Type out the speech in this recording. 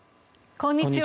こんにちは。